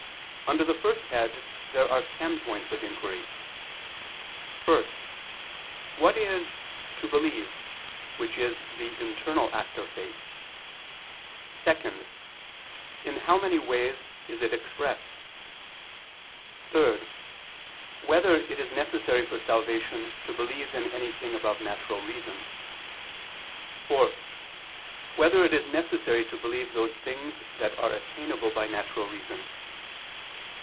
Under the first head there are ten points of inquiry: (1) What is "to believe," which is the internal act of faith? (2) In how many ways is it expressed? (3) Whether it is necessary for salvation to believe in anything above natural reason? (4) Whether it is necessary to believe those things that are attainable by natural reason?